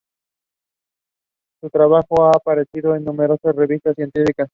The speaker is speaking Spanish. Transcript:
Su trabajo ha aparecido en numerosas revistas científicas.